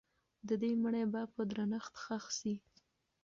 د دې مړي به په درنښت ښخ سي.